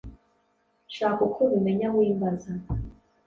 Shaka uko ubimenya wimbaza